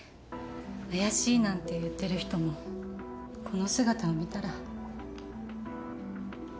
「怪しい」なんて言ってる人もこの姿を見たら。